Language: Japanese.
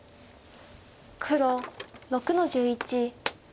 黒６の十一トビ。